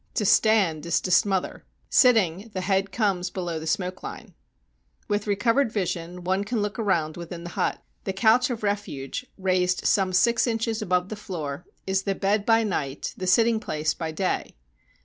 To stand is to smother. Sitting, the head comes below the smoke line. With recovered vision, one can look around within the hut. The couch of refuge, raised some six inches above the floor, is the bed by night, the sitting place by day.